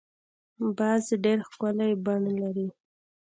باز ډېر ښکلی بڼ لري